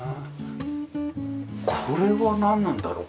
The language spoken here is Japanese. これはなんなんだろう？